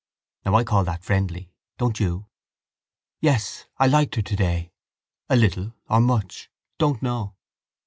Now I call that friendly, don't you? Yes, I liked her today. A little or much? Don't know.